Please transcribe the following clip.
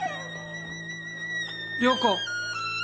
良子！